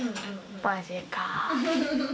マジか。